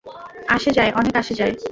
আসে যায়, অনেক আসে যায়।